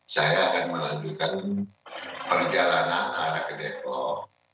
saya akan melakukan perjalanan ke depok